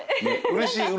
うれしい？